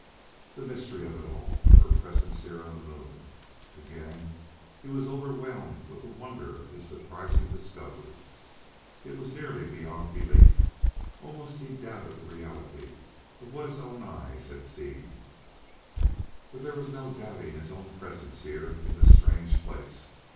The mystery of it all! of her presence here on the Moon! Again he was overwhelmed with the wonder of his surprising discovery. It was nearly beyond belief; almost he doubted the reality of what his own eyes had seen. But there was no doubting his own presence here in this strange place.